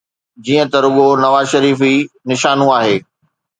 جيئن ته رڳو نواز شريف ئي نشانو آهي.